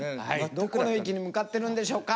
どこの駅に向かってるんでしょうか？